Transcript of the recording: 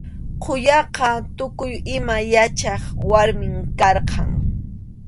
Quyaqa tukuy ima yachaq warmim karqan.